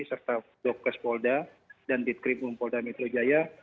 serta dokter spolda dan ditkrim bumpolda mitrojaya